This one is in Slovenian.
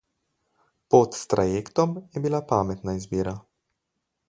Pot s trajektom je bila pametna izbira.